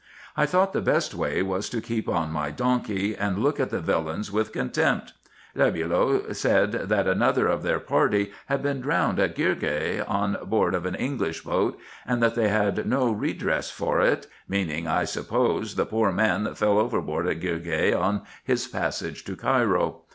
I thought the best way was to keep on my donkey, and look at the villains with contempt. Lebulo said, that another of their party had been drowned at Girgeh, on board of the English boat, and that they had no redress for it, meaning, I suppose, the poor man that fell overboard at Girgeh on his passage to Cairo.